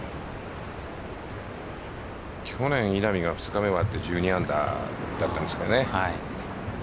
去年、稲見が２日目終わって１２アンダーだったんですけど。